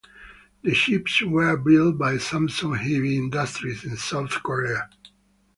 The ships were built by Samsung Heavy Industries in South Korea.